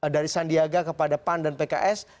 dari sandiaga kepada pan dan pks